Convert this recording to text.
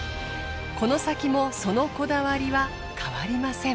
この先もそのこだわりは変わりません。